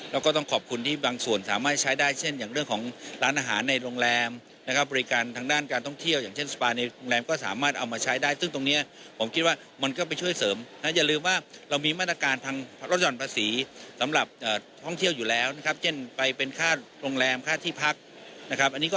เราก็ต้องขอบคุณที่บางส่วนสามารถใช้ได้เช่นอย่างเรื่องของร้านอาหารในโรงแรมนะครับบริการทางด้านการท่องเที่ยวอย่างเช่นสปาในโรงแรมก็สามารถเอามาใช้ได้ซึ่งตรงนี้ผมคิดว่ามันก็ไปช่วยเสริมนะอย่าลืมว่าเรามีมาตรการทางลดหย่อนภาษีสำหรับท่องเที่ยวอยู่แล้วนะครับเช่นไปเป็นค่าโรงแรมค่าที่พักนะครับ